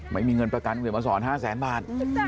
ไม่มีเงินประกันคุณเขียนมาสอน๕แสนบาท